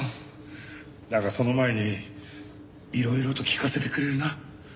だがその前にいろいろと聞かせてくれるな？